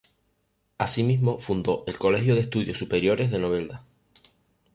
Asimismo, fundó el Colegio de Estudios Superiores de Novelda.